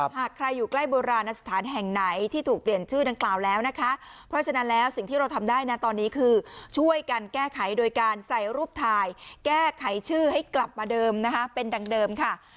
หากใครอยู่ใกล้โบราณสถานแห่งไหนที่ถูกเปลี่ยนชื่อดังกล่าวแล้วนะคะเพราะฉะนั้นแล้วสิ่งที่เราทำได้นะตอนนี้คือช่วยกันแก้ไขโดยการใส่รูปถ่ายแก้ไขชื่อให้กลับมาเดิมนะคะเป็นดังเดิมค่ะ